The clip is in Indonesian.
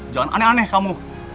jangan aneh aneh kamu